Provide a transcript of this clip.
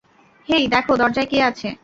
হেই, দেখো দরজায় কে আছে?